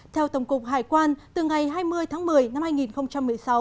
theo tổng cục hải quan từ ngày hai mươi tháng một mươi năm hai nghìn một mươi sáu